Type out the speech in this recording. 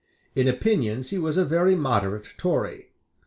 In opinions he was a very moderate Tory.